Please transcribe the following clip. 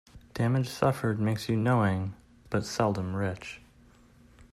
Damage suffered makes you knowing, but seldom rich.